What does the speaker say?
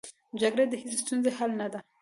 جګړه د هېڅ ستونزې حل نه ده